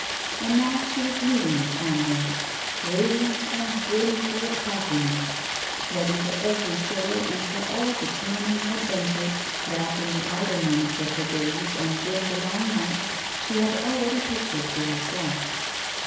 And now she was leaving the convent, radiant and brim ful of happiness, ready for every joy and for all the charming A WOMAN'S LIFE. 7 adventures that, in the idle moments of her days and during the long nights, she had already pictured to herself.